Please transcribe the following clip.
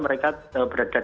mereka berada di